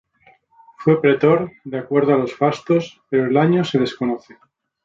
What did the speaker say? Fue pretor, de acuerdo a los fastos, pero el año se desconoce.